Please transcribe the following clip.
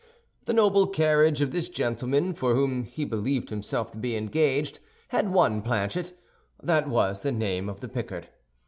The noble carriage of this gentleman, for whom he believed himself to be engaged, had won Planchet—that was the name of the Picard.